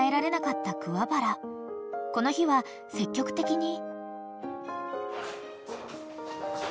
［この日は積極的に］